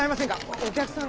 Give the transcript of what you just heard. お客さんが。